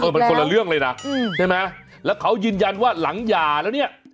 มันคนละเรื่องเลยนะใช่ไหมแล้วเขายืนยันว่าหลังหย่าแล้วเนี่ย